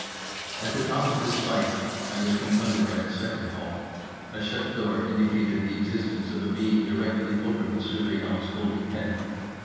At the top of this flight I was confronted by a second hall. A shut door indicated the existence of a being directly over the Surveillant's holy head.